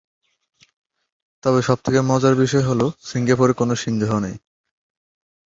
তবে সবথেকে মজার বিষয় হল সিঙ্গাপুরে কোন সিংহ নেই।